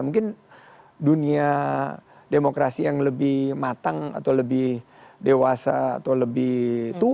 mungkin dunia demokrasi yang lebih matang atau lebih dewasa atau lebih tua